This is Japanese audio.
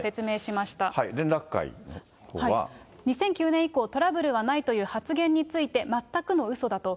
２００９年以降、トラブルはないという発言について、全くのうそだと。